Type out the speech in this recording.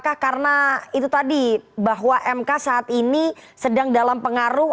karena itu tadi bahwa mk saat ini sedang dalam pengaruh